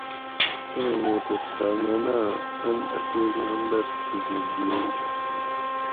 ایں موٹؤ تھہ مناۤ ان اتیک نمبر کھیکی گھینت